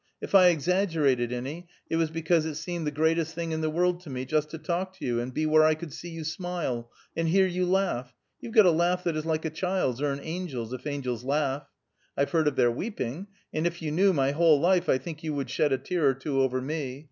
If I exaggerated any, it was because it seemed the greatest thing in the world to me, just to talk to you, and be where I could see you smile, and hear you laugh; you've got a laugh that is like a child's, or an angel's, if angels laugh. I've heard of their weeping, and if you knew my whole life, I think you would shed a tear or two over me.